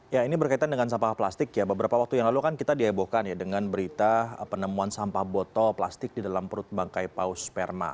ya ini berkaitan dengan sampah plastik ya beberapa waktu yang lalu kan kita dihebohkan ya dengan berita penemuan sampah botol plastik di dalam perut bangkai paus sperma